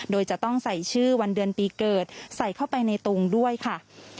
โดยจะต้องใส่ชื่อวันเดือนปีเกิดใส่เข้าไปในตุงด้วยค่ะ